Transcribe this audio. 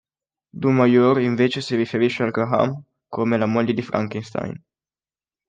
Du Maurier, invece, si riferisce a Graham come "la moglie di Frankenstein".